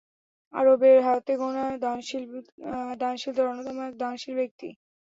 আরবের হাতেগোনা দানশীলদের অন্যতম এক দানশীল ব্যক্তি।